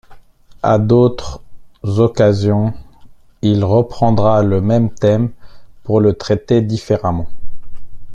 À d'autres occasions, il reprendra le même thème pour le traiter différemment.